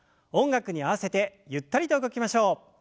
音楽に合わせてゆったりと動きましょう。